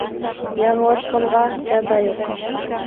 Яңылышҡанға яза юҡ.